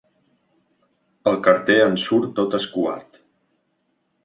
El carter en surt tot escuat.